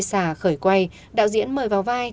xà khởi quay đạo diễn mời vào vai